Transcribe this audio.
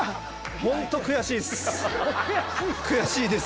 本当悔しいです！